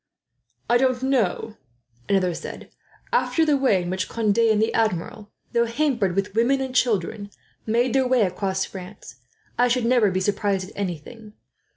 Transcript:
"I don't know," another said, "after the way in which Conde and the Admiral, though hampered with women and children, made their way across France, I should never be surprised at anything.